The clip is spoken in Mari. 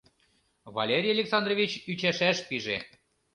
— Валерий Александрович ӱчашаш пиже.